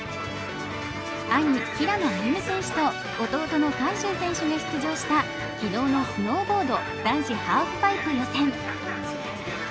兄・平野歩夢選手と弟の海祝選手が出場した昨日のスノーボード男子ハーフパイプ予選。